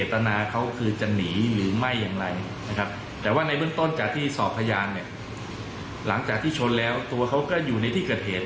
ธนกรรมสวนไปที่ไถเตอร์เทศ